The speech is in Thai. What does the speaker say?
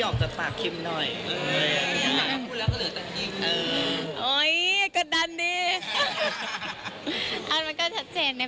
ก็ออกแบบอยากจะปากคริมหน่อย